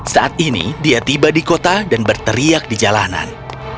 saat ini dia tiba di kota dan berteriak di jalanan